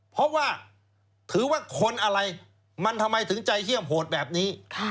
เพราะว่าถือว่าคนอะไรมันทำไมถึงใจเฮี่ยมโหดแบบนี้